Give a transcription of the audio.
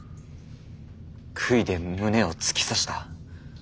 杭で胸を突き刺した。